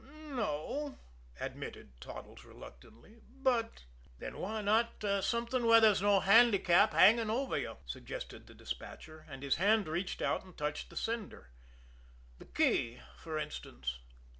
"No o," admitted Toddles reluctantly; "but " "Then why not something where there's no handicap hanging over you?" suggested the despatcher and his hand reached out and touched the sender. "The key, for instance?"